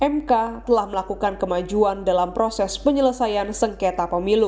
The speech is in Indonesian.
mk telah melakukan kemajuan dalam proses penyelesaian sengketa pemilu